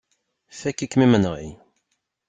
Fakk-ikem imenɣi.